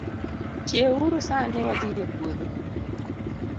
Chiew uru sani wadhii e puodho